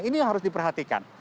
ini yang harus diperhatikan